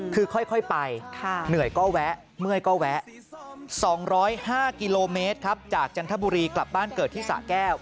คือค่อยไปเหนื่อยก็แวะเมื่อยก็แวะ๒๐๕กิโลเมตรครับจากจันทบุรีกลับบ้านเกิดที่สะแก้ว